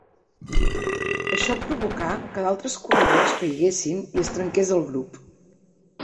Això provocà que d'altres corredors caiguessin i es trenqués el grup.